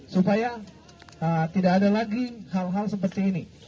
supaya tidak ada lagi hal hal seperti ini